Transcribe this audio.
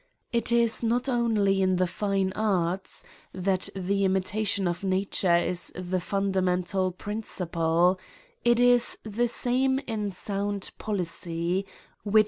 It is not only in the fine arts that the imitation of nature is the fundamental principle; it is the CRIMES AND PUNISHMENTfi.